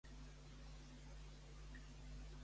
Què va passar damunt la seva sepultura?